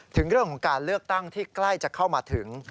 ถึงเรื่องของการเลือกตั้งที่ใกล้จะเข้ามาถึง